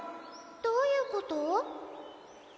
どういうこと？